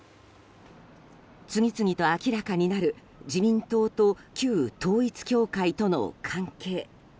次々と明らかになる自民党と旧統一教会との関係。